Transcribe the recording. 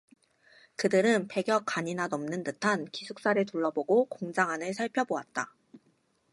그들은 백여 간이나 넘는 듯한 기숙사를 둘러보고 공장 안을 살펴보았다.